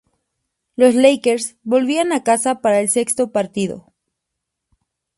Los Lakers volvían a casa para el sexto partido.